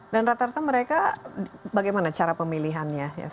dan rata rata mereka bagaimana cara pemilihannya